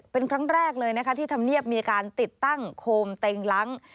เป็นครั้งแรกเลยที่ทำเงียบมีการติดตั้งโคมเต็งหลัง